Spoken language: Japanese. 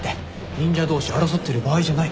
忍者同士争ってる場合じゃない。